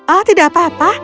oh tidak apa apa